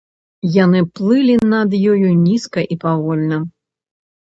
Яны плылі над ёю, нізка і павольна.